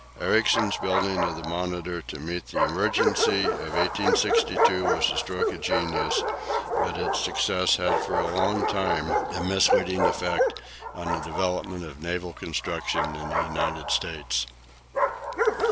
Ericsson's building of the "Monitor" to meet the emergency of 1862 was a stroke of genius, but its success had for a long time a misleading effect on the development of naval construction in the United States.